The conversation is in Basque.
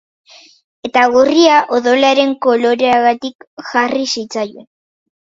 Eta gorria, odolaren koloreagatik jarri zitzaion.